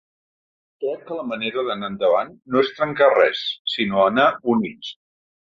Crec que la manera d’anar endavant no és trencar res, sinó anar units.